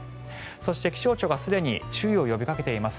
そして、気象庁がすでに注意を呼びかけています。